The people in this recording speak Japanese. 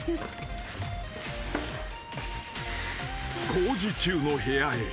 ［工事中の部屋へ］